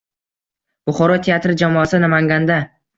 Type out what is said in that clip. Buxoro teatri jamoasi Namanganda